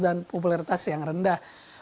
dan popularitas yang rendah